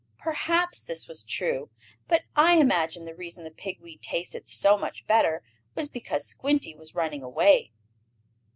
Perhaps this was true, but I imagine the reason the pig weed tasted so much better was because Squinty was running away.